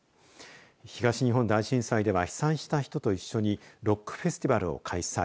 東日本大震災では被災した人と一緒にロックフェスティバルを開催。